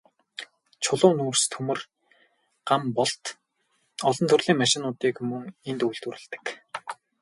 Чулуун нүүрс, төмөр, ган болд, олон төрлийн машинуудыг мөн энд үйлдвэрлэдэг.